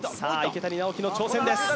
池谷直樹の挑戦です